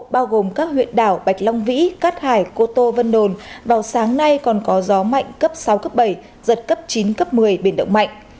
bao gồm các huyện đảo bạch long vĩ cát hải cô tô vân đồn vào sáng nay còn có gió mạnh cấp sáu cấp bảy giật cấp chín cấp một mươi biển động mạnh